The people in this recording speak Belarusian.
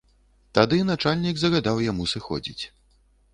Тады начальнік загадаў яму сыходзіць.